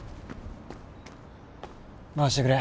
回してくれ。